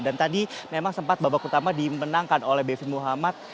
dan tadi memang sempat babak utama dimenangkan oleh bevin muhamad